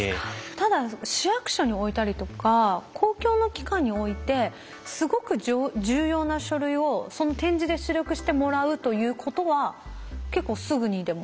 ただ市役所に置いたりとか公共の機関に置いてすごく重要な書類をその点字で出力してもらうということは結構すぐにでも。